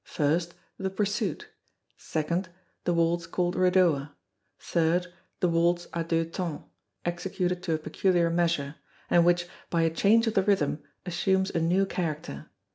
1st, The Pursuit. 2nd, The waltz called Redowa. 3rd, The waltz a Deux Temps, executed to a peculiar measure, and which, by a change of the rhythm, assumes a new character.